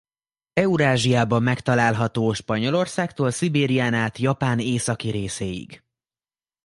Eurázsiában megtalálható Spanyolországtól Szibérián át Japán északi részéig.